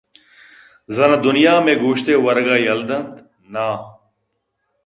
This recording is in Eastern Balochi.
زاناں دنیا مئیے گوٛشت ءِ ورگ ءَ یلہ دنت؟ ناں